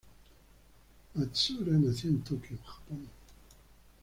Matsuura nació en Tokio, Japón.